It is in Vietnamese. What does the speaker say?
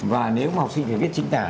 và nếu mà học sinh phải viết chính tả